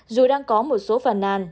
dù đang có một số phản nàn